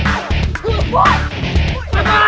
kok gini tunggu aku ambil tes sama